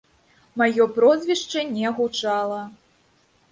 Маё прозвішча не гучала.